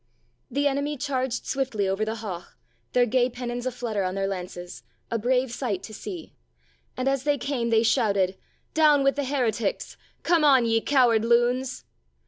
The enemy charged swiftly over the haugh, their gay pennons a flutter on their lances, a brave sight to see. And as they came they shouted; "Down with the heretics; come on, ye coward loons."